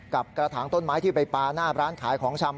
กระถางต้นไม้ที่ไปปลาหน้าร้านขายของชำ